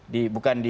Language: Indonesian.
di bukan di